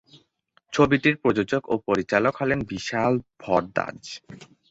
ছবিটির প্রযোজক ও পরিচালক হলেন বিশাল ভরদ্বাজ।